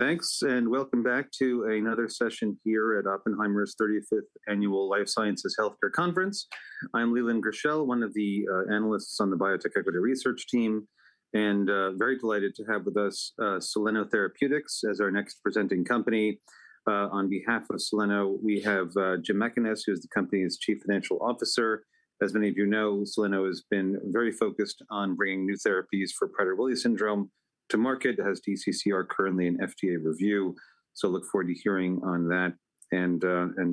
Thanks, and welcome back to another session here at Oppenheimer's 35th Annual Life Sciences Healthcare Conference. I'm Leland Gershell, one of the analysts on the Biotech Equity Research Team, and very delighted to have with us Soleno Therapeutics as our next presenting company. On behalf of Soleno, we have Jim Mackaness, who is the company's Chief Financial Officer. As many of you know, Soleno has been very focused on bringing new therapies for Prader-Willi syndrome to market. It has DCCR currently in FDA review, so look forward to hearing on that and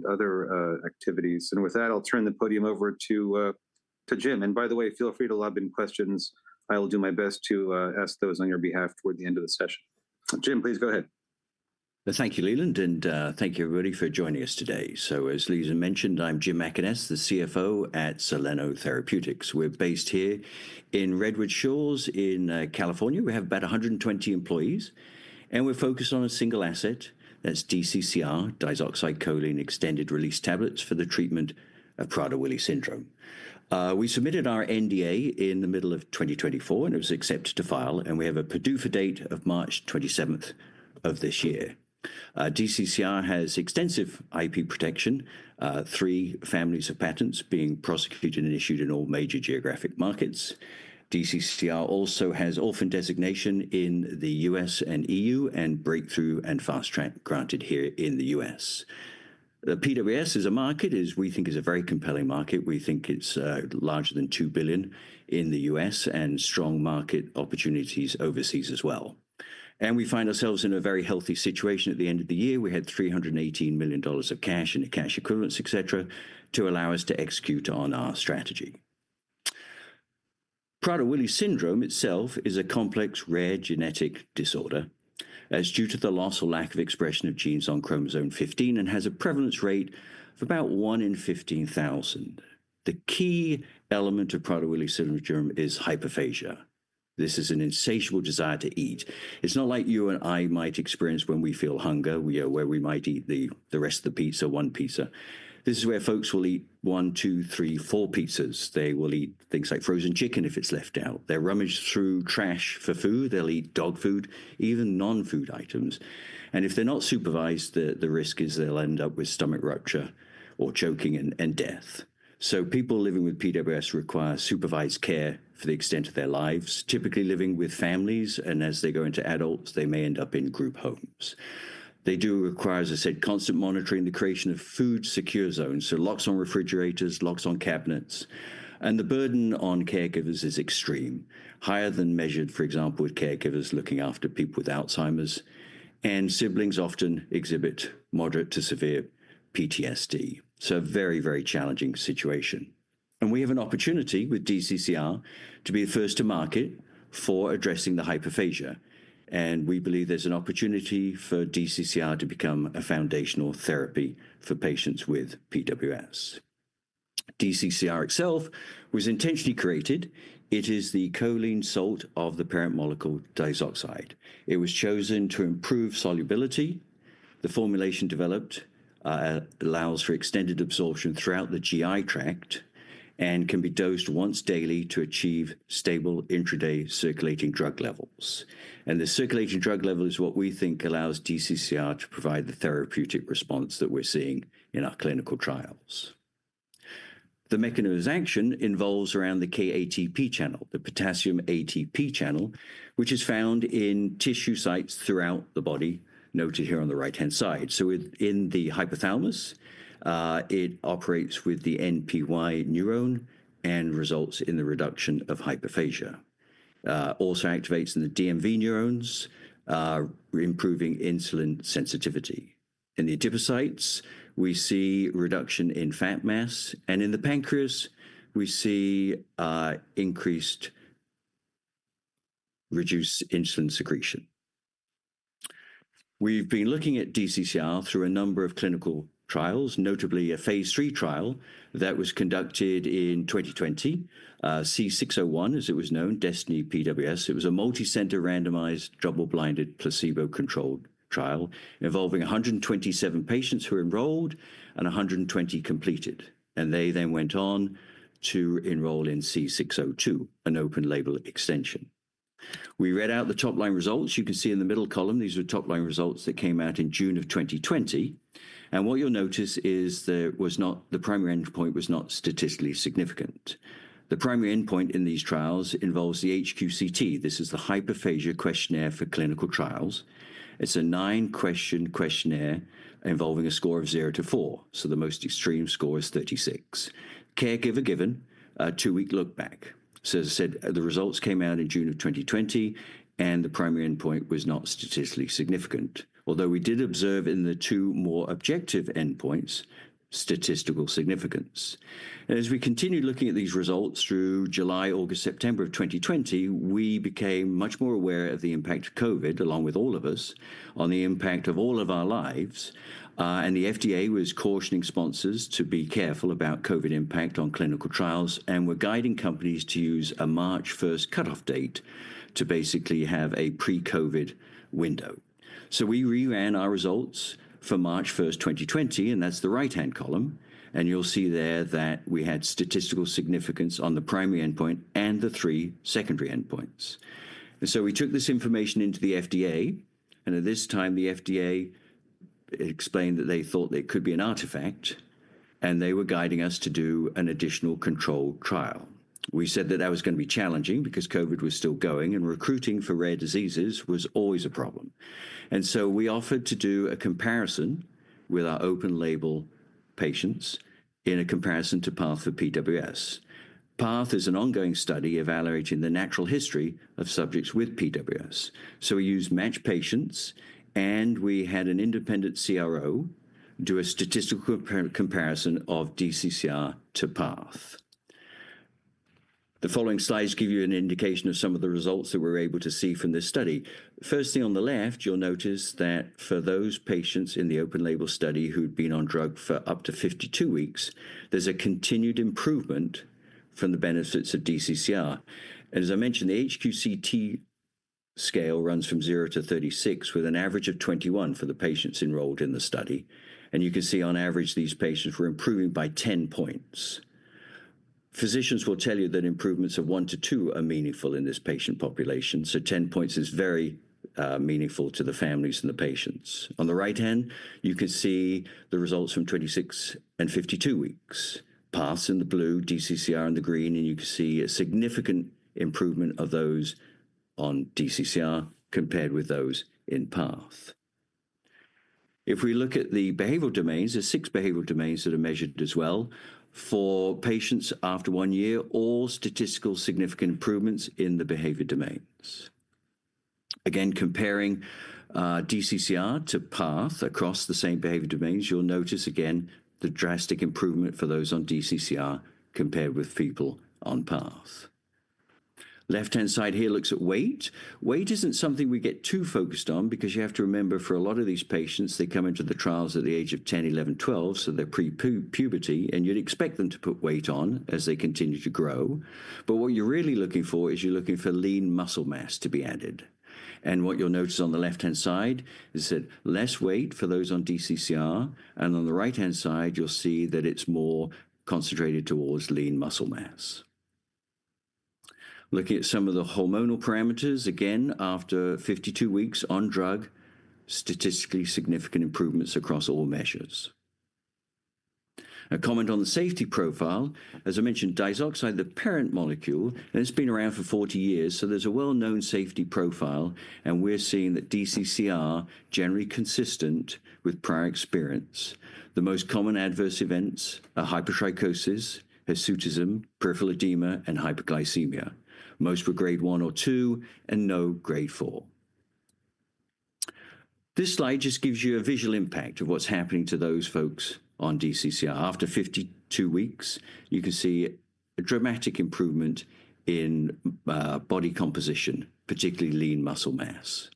other activities, and with that, I'll turn the podium over to Jim, and by the way, feel free to lob in questions. I will do my best to ask those on your behalf toward the end of the session. Jim, please go ahead. Thank you, Leland, and thank you, everybody, for joining us today. As Leland mentioned, I'm Jim Mackaness, the CFO at Soleno Therapeutics. We're based here in Redwood Shores in California. We have about 120 employees, and we're focused on a single asset that's DCCR, diazoxide choline extended-release tablets, for the treatment of Prader-Willi syndrome. We submitted our NDA in the middle of 2024, and it was accepted to file, and we have a PDUFA date of March 27th of this year. DCCR has extensive IP protection, three families of patents being prosecuted and issued in all major geographic markets. DCCR also has orphan designation in the U.S. and E.U., and breakthrough and fast track granted here in the U.S. PWS is a market, as we think, is a very compelling market. We think it's larger than $2 billion in the U.S. and strong market opportunities overseas as well. We find ourselves in a very healthy situation at the end of the year. We had $318 million of cash and cash equivalents, etc., to allow us to execute on our strategy. Prader-Willi syndrome itself is a complex rare genetic disorder. It's due to the loss or lack of expression of genes on chromosome 15 and has a prevalence rate of about one in 15,000. The key element of Prader-Willi syndrome is hyperphagia. This is an insatiable desire to eat. It's not like you and I might experience when we feel hunger, where we might eat the rest of the pizza, one pizza. This is where folks will eat one, two, three, four pizzas. They will eat things like frozen chicken if it's left out. They'll rummage through trash for food. They'll eat dog food, even non-food items. And if they're not supervised, the risk is they'll end up with stomach rupture or choking and death. So, people living with PWS require supervised care for the extent of their lives, typically living with families, and as they go into adults, they may end up in group homes. They do require, as I said, constant monitoring, the creation of food secure zones, so locks on refrigerators, locks on cabinets. And the burden on caregivers is extreme, higher than measured, for example, with caregivers looking after people with Alzheimer's, and siblings often exhibit moderate to severe PTSD. So, a very, very challenging situation. And we have an opportunity with DCCR to be the first to market for addressing the hyperphagia. And we believe there's an opportunity for DCCR to become a foundational therapy for patients with PWS. DCCR itself was intentionally created. It is the choline salt of the parent molecule, diazoxide. It was chosen to improve solubility. The formulation developed allows for extended absorption throughout the GI tract and can be dosed once daily to achieve stable intraday circulating drug levels, and the circulating drug level is what we think allows DCCR to provide the therapeutic response that we're seeing in our clinical trials. The mechanism of action involves around the KATP channel, the potassium ATP channel, which is found in tissue sites throughout the body, noted here on the right-hand side, so in the hypothalamus, it operates with the NPY neuron and results in the reduction of hyperphagia. It also activates in the DMV neurons, improving insulin sensitivity. In the adipocytes, we see reduction in fat mass, and in the pancreas, we see increased reduced insulin secretion. We've been looking at DCCR through a number of clinical trials, notably a phase 3 trial that was conducted in 2020, C601, as it was known, DESTINY PWS. It was a multi-center randomized double-blind placebo-controlled trial involving 127 patients who enrolled and 120 completed, and they then went on to enroll in C602, an open-label extension. We read out the top-line results. You can see in the middle column, these are top-line results that came out in June of 2020, and what you'll notice is the primary endpoint was not statistically significant. The primary endpoint in these trials involves the HQCT. This is the hyperphagia questionnaire for clinical trials. It's a nine-question questionnaire involving a score of zero to four, so the most extreme score is 36. Caregiver given a two-week lookback. So, as I said, the results came out in June of 2020, and the primary endpoint was not statistically significant, although we did observe in the two more objective endpoints statistical significance. As we continue looking at these results through July, August, September of 2020, we became much more aware of the impact of COVID, along with all of us, on the impact of all of our lives, and the FDA was cautioning sponsors to be careful about COVID impact on clinical trials, and we're guiding companies to use a March 1st cutoff date to basically have a pre-COVID window, so we re-ran our results for March 1st, 2020, and that's the right-hand column, and you'll see there that we had statistical significance on the primary endpoint and the three secondary endpoints. And so, we took this information into the FDA, and at this time, the FDA explained that they thought there could be an artifact, and they were guiding us to do an additional controlled trial. We said that that was going to be challenging because COVID was still going, and recruiting for rare diseases was always a problem. And so, we offered to do a comparison with our open label patients in a comparison to PATH for PWS. PATH is an ongoing study evaluating the natural history of subjects with PWS. So, we used match patients, and we had an independent CRO do a statistical comparison of DCCR to PATH. The following slides give you an indication of some of the results that we're able to see from this study. Firstly, on the left, you'll notice that for those patients in the open-label study who'd been on drug for up to 52 weeks, there's a continued improvement from the benefits of DCCR. And as I mentioned, the HQCT scale runs from zero to 36, with an average of 21 for the patients enrolled in the study. And you can see on average, these patients were improving by 10 points. Physicians will tell you that improvements of one to two are meaningful in this patient population. So, 10 points is very meaningful to the families and the patients. On the right-hand, you can see the results from 26 and 52 weeks. PATH's in the blue, DCCR in the green, and you can see a significant improvement of those on DCCR compared with those in PATH. If we look at the behavioral domains, there are six behavioral domains that are measured as well for patients after one year, all statistically significant improvements in the behavior domains. Again, comparing DCCR to PATH across the same behavior domains, you'll notice again the drastic improvement for those on DCCR compared with people on PATH. Left-hand side here looks at weight. Weight isn't something we get too focused on because you have to remember for a lot of these patients, they come into the trials at the age of 10, 11, 12, so they're pre-puberty, and you'd expect them to put weight on as they continue to grow. But what you're really looking for is lean muscle mass to be added. And what you'll notice on the left-hand side is that less weight for those on DCCR, and on the right-hand side, you'll see that it's more concentrated towards lean muscle mass. Looking at some of the hormonal parameters, again, after 52 weeks on drug, statistically significant improvements across all measures. A comment on the safety profile. As I mentioned, diazoxide, the parent molecule, has been around for 40 years, so there's a well-known safety profile, and we're seeing that DCCR generally consistent with prior experience. The most common adverse events are hypertrichosis, hirsutism, peripheral edema, and hyperglycemia. Most were grade one or two and no grade four. This slide just gives you a visual impact of what's happening to those folks on DCCR. After 52 weeks, you can see a dramatic improvement in body composition, particularly lean muscle mass.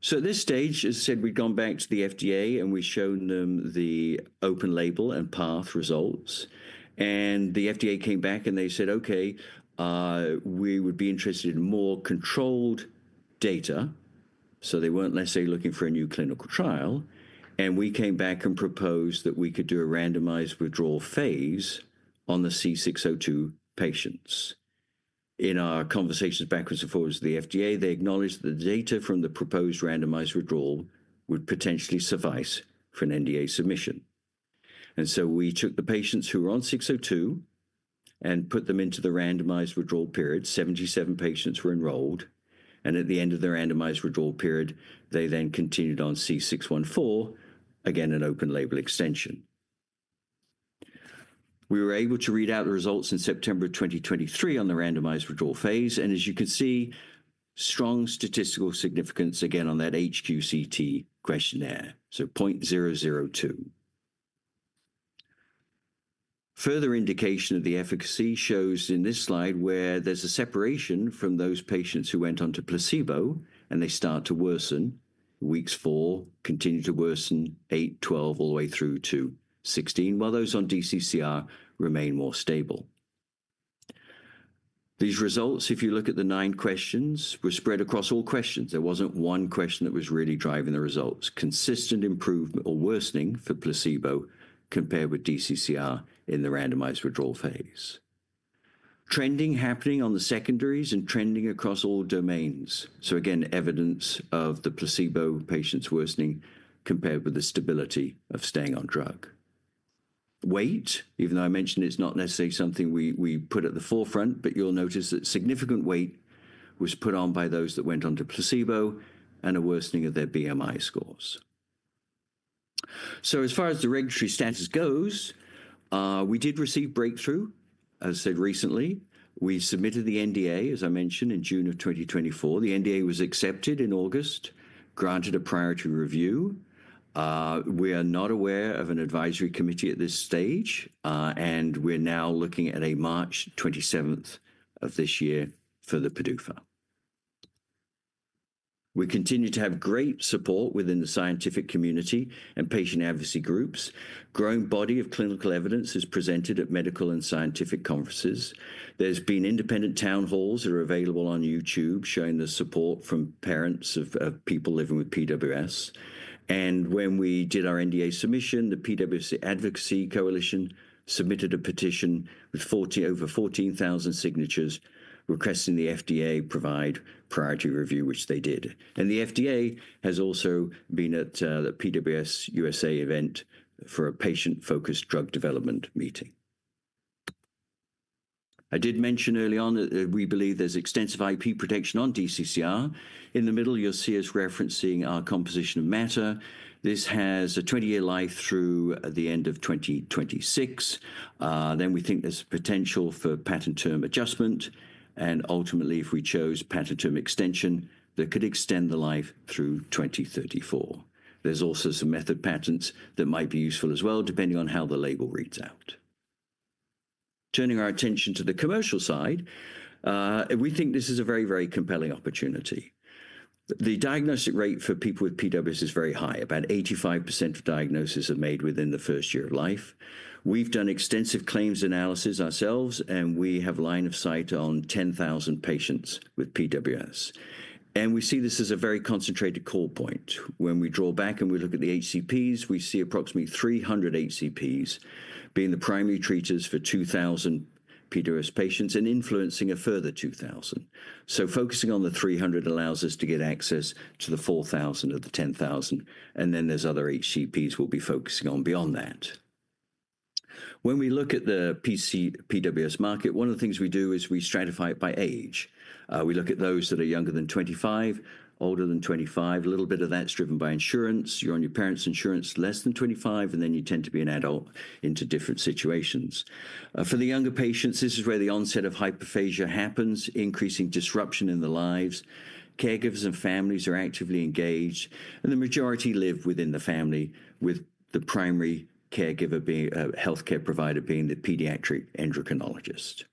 So, at this stage, as I said, we've gone back to the FDA, and we've shown them the open label and PATH results. And the FDA came back, and they said, "Okay, we would be interested in more controlled data." So, they weren't, let's say, looking for a new clinical trial. And we came back and proposed that we could do a randomized withdrawal phase on the C602 patients. In our conversations backwards and forwards with the FDA, they acknowledged that the data from the proposed randomized withdrawal would potentially suffice for an NDA submission. And so, we took the patients who were on C602 and put them into the randomized withdrawal period. 77 patients were enrolled, and at the end of the randomized withdrawal period, they then continued on C614, again an open label extension. We were able to read out the results in September of 2023 on the randomized withdrawal phase, and as you can see, strong statistical significance again on that HQCT questionnaire, so 0.002. Further indication of the efficacy shows in this slide where there's a separation from those patients who went on to placebo, and they start to worsen. Weeks four continue to worsen, eight, 12, all the way through to 16, while those on DCCR remain more stable. These results, if you look at the nine questions, were spread across all questions. There wasn't one question that was really driving the results. Consistent improvement or worsening for placebo compared with DCCR in the randomized withdrawal phase. Trending happening on the secondaries and trending across all domains, so again, evidence of the placebo patients worsening compared with the stability of staying on drug. Weight, even though I mentioned it's not necessarily something we put at the forefront, but you'll notice that significant weight was put on by those that went on to placebo and a worsening of their BMI scores. So, as far as the regulatory status goes, we did receive breakthrough. As I said, recently, we submitted the NDA, as I mentioned, in June of 2024. The NDA was accepted in August, granted a priority review. We are not aware of an advisory committee at this stage, and we're now looking at a March 27th of this year for the PDUFA. We continue to have great support within the scientific community and patient advocacy groups. Growing body of clinical evidence is presented at medical and scientific conferences. There's been independent town halls that are available on YouTube showing the support from parents of people living with PWS. When we did our NDA submission, the PWS Advocacy Coalition submitted a petition with over 14,000 signatures requesting the FDA provide priority review, which they did. The FDA has also been at the PWSA USA event for a patient-focused drug development meeting. I did mention early on that we believe there's extensive IP protection on DCCR. In the middle, you'll see us referencing our composition of matter. This has a 20-year life through the end of 2026. We think there's potential for patent term adjustment, and ultimately, if we chose patent term extension, that could extend the life through 2034. There's also some method patents that might be useful as well, depending on how the label reads out. Turning our attention to the commercial side, we think this is a very, very compelling opportunity. The diagnostic rate for people with PWS is very high. About 85% of diagnoses are made within the first year of life. We've done extensive claims analysis ourselves, and we have a line of sight on 10,000 patients with PWS, and we see this as a very concentrated call point. When we draw back and we look at the HCPs, we see approximately 300 HCPs being the primary treaters for 2,000 PWS patients and influencing a further 2,000, so focusing on the 300 allows us to get access to the 4,000 of the 10,000, and then there's other HCPs we'll be focusing on beyond that. When we look at the PWS market, one of the things we do is we stratify it by age. We look at those that are younger than 25, older than 25. A little bit of that's driven by insurance. You're on your parents' insurance less than 25, and then you tend to be an adult into different situations. For the younger patients, this is where the onset of hyperphagia happens, increasing disruption in the lives. Caregivers and families are actively engaged, and the majority live within the family, with the primary caregiver being a healthcare provider, the pediatric endocrinologist.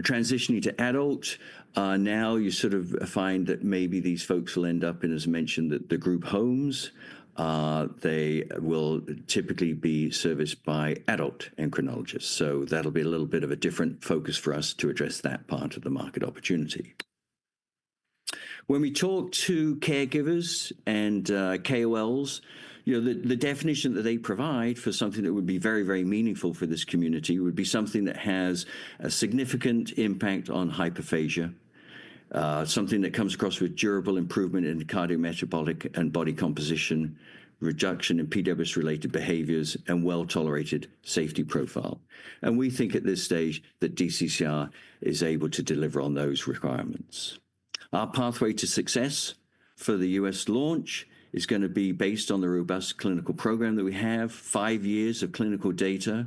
Transitioning to adult, now you sort of find that maybe these folks will end up in, as I mentioned, the group homes. They will typically be serviced by adult endocrinologists. So, that'll be a little bit of a different focus for us to address that part of the market opportunity. When we talk to caregivers and KOLs, the definition that they provide for something that would be very, very meaningful for this community would be something that has a significant impact on hyperphagia, something that comes across with durable improvement in cardiometabolic and body composition, reduction in PWS-related behaviors, and well-tolerated safety profile, and we think at this stage that DCCR is able to deliver on those requirements. Our pathway to success for the U.S. launch is going to be based on the robust clinical program that we have, five years of clinical data.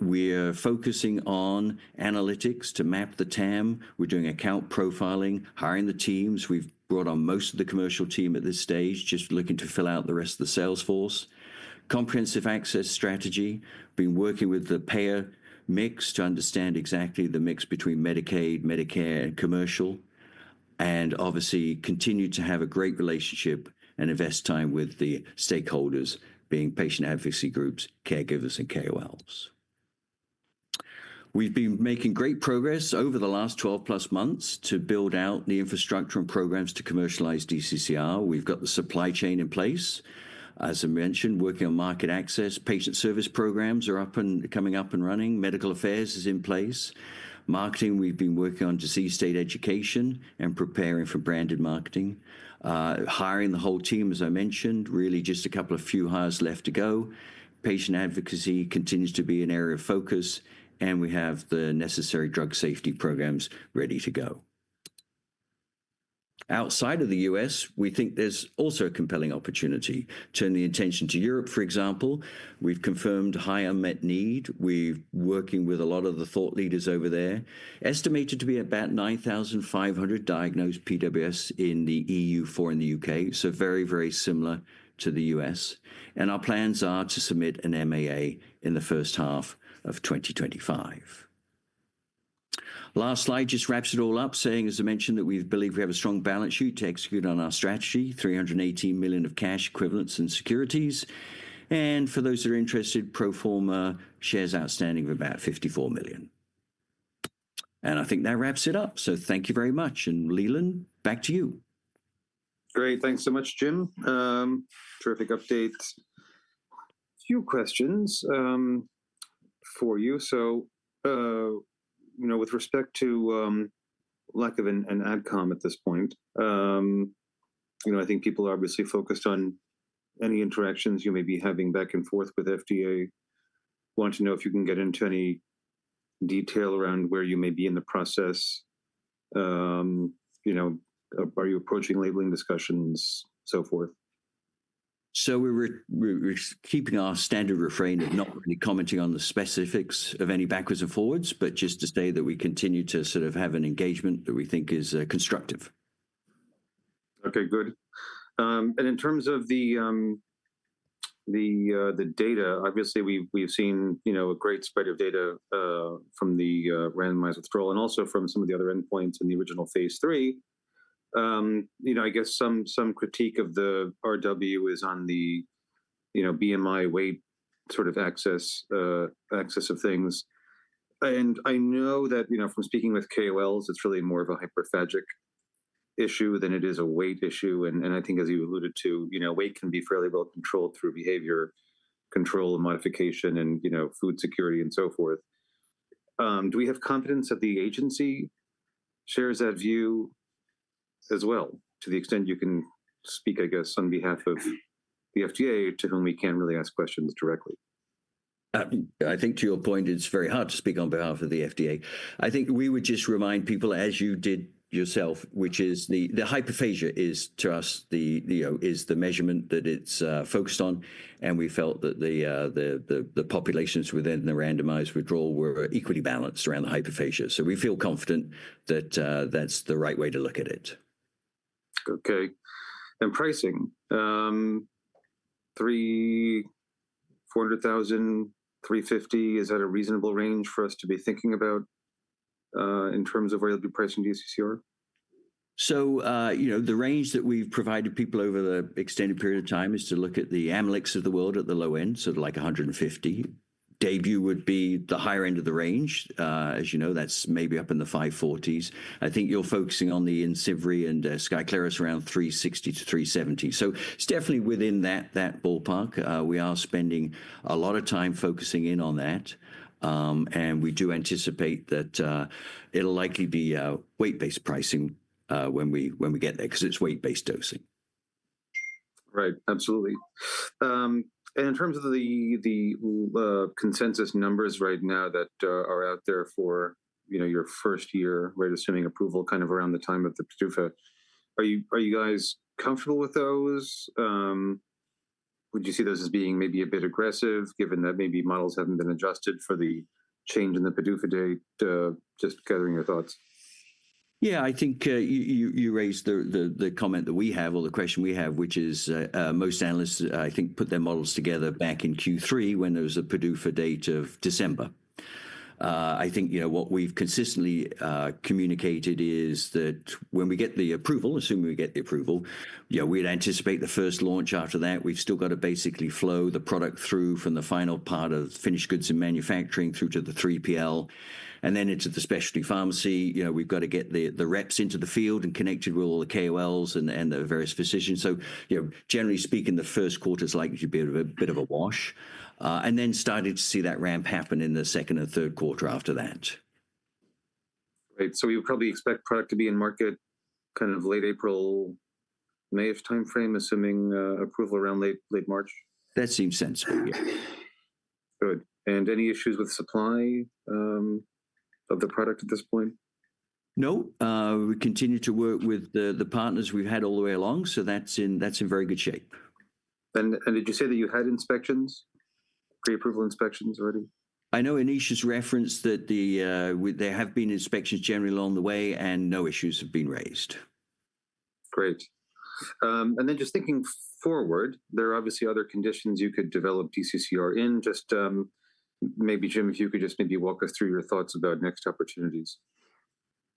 We're focusing on analytics to map the TAM. We're doing account profiling, hiring the teams. We've brought on most of the commercial team at this stage, just looking to fill out the rest of the sales force. Comprehensive access strategy, being working with the payer mix to understand exactly the mix between Medicaid, Medicare, and commercial, and obviously continue to have a great relationship and invest time with the stakeholders, being patient advocacy groups, caregivers, and KOLs. We've been making great progress over the last 12 plus months to build out the infrastructure and programs to commercialize DCCR. We've got the supply chain in place. As I mentioned, working on market access. Patient service programs are coming up and running. Medical affairs is in place. Marketing, we've been working on disease state education and preparing for branded marketing. Hiring the whole team, as I mentioned, really just a couple of few hires left to go. Patient advocacy continues to be an area of focus, and we have the necessary drug safety programs ready to go. Outside of the U.S., we think there's also a compelling opportunity. Turn the attention to Europe, for example. We've confirmed high unmet need. We're working with a lot of the thought leaders over there. Estimated to be about 9,500 diagnosed PWS in the E.U. and in the U.K., so very, very similar to the U.S. And our plans are to submit an MAA in the first half of 2025. Last slide just wraps it all up, saying, as I mentioned, that we believe we have a strong balance sheet to execute on our strategy, $318 million of cash equivalents and securities. And for those that are interested, pro forma shares outstanding of about 54 million. And I think that wraps it up. So, thank you very much. And Leland, back to you. Great. Thanks so much, Jim. Terrific updates. A few questions for you. So, you know, with respect to lack of an AdCom at this point, you know, I think people are obviously focused on any interactions you may be having back and forth with FDA. Want to know if you can get into any detail around where you may be in the process. You know, are you approaching labeling discussions, so forth? So, we're keeping our standard refrain of not really commenting on the specifics of any back and forth, but just to say that we continue to sort of have an engagement that we think is constructive. Okay, good. And in terms of the data, obviously, we've seen, you know, a great spread of data from the randomized withdrawal and also from some of the other endpoints in the original phase III. You know, I guess some critique of the RW is on the, you know, BMI weight sort of axis of things. And I know that, you know, from speaking with KOLs, it's really more of a hyperphagic issue than it is a weight issue. And I think, as you alluded to, you know, weight can be fairly well controlled through behavior control and modification and, you know, food security and so forth. Do we have confidence that the agency shares that view as well, to the extent you can speak, I guess, on behalf of the FDA, to whom we can't really ask questions directly? I think to your point, it's very hard to speak on behalf of the FDA. I think we would just remind people, as you did yourself, which is the hyperphagia is to us, the, you know, is the measurement that it's focused on. We felt that the populations within the randomized withdrawal were equally balanced around the hyperphagia. We feel confident that that's the right way to look at it. Okay. Pricing, $340,000-$350,000, is that a reasonable range for us to be thinking about in terms of where you'll be pricing DCCR? You know, the range that we've provided people over the extended period of time is to look at the Amylyx of the world at the low end, sort of like $150,000. Daybue would be the higher end of the range. As you know, that's maybe up in the $540,000s. I think you're focusing on the Imcivree and Skyclarys around $360,000-$370,000. It's definitely within that ballpark. We are spending a lot of time focusing in on that. And we do anticipate that it'll likely be weight-based pricing when we get there, because it's weight-based dosing. Right, absolutely. And in terms of the consensus numbers right now that are out there for, you know, your first year, right, assuming approval kind of around the time of the PDUFA, are you guys comfortable with those? Would you see those as being maybe a bit aggressive, given that maybe models haven't been adjusted for the change in the PDUFA date, just gathering your thoughts? Yeah, I think you raised the comment that we have, or the question we have, which is most analysts, I think, put their models together back in Q3 when there was a PDUFA date of December. I think, you know, what we've consistently communicated is that when we get the approval, assuming we get the approval, you know, we'd anticipate the first launch after that. We've still got to basically flow the product through from the final part of finished goods and manufacturing through to the 3PL, and then into the specialty pharmacy. You know, we've got to get the reps into the field and connected with all the KOLs and the various physicians. So, you know, generally speaking, the first quarter is likely to be a bit of a wash, and then starting to see that ramp happen in the second and third quarter after that. Right. So, we would probably expect product to be in market kind of late April, May timeframe, assuming approval around late March? That seems sensible. Yeah. Good. And any issues with supply of the product at this point? No. We continue to work with the partners we've had all the way along, so that's in very good shape. Did you say that you had inspections, pre-approval inspections already? I know Anish has referenced that there have been inspections generally along the way, and no issues have been raised. Great. And then just thinking forward, there are obviously other conditions you could develop DCCR in. Just maybe, Jim, if you could just maybe walk us through your thoughts about next opportunities.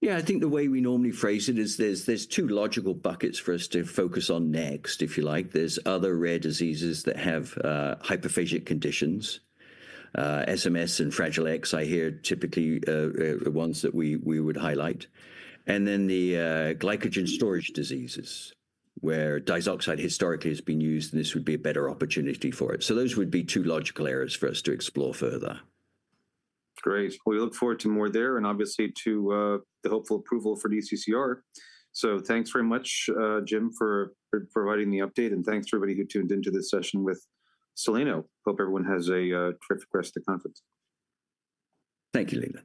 Yeah, I think the way we normally phrase it is there's two logical buckets for us to focus on next, if you like. There's other rare diseases that have hyperphagic conditions, SMS and Fragile X, I hear typically the ones that we would highlight. And then the glycogen storage diseases, where diazoxide historically has been used, and this would be a better opportunity for it. So, those would be two logical areas for us to explore further. Great. We look forward to more there, and obviously to the hopeful approval for DCCR. So, thanks very much, Jim, for providing the update, and thanks to everybody who tuned into this session with Soleno. Hope everyone has a terrific rest of the conference. Thank you, Leland.